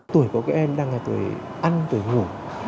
tuổi có các em đang là tuổi ăn tuổi ngủ